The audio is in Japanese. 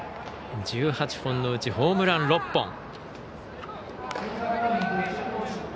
１８本のうちホームラン６本。